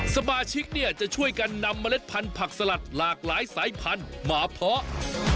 สมาชิกเนี่ยจะช่วยกันนำเมล็ดพันธุ์ผักสลัดหลากหลายสายพันธุ์มาเพาะ